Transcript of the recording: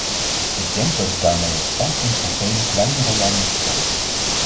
Ik denk dat ik daarmee het standpunt van vele kleinere landen vertolk.